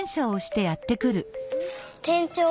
てんちょう！